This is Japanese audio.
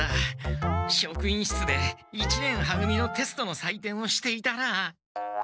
職員室で一年は組のテストのさいてんをしていたら。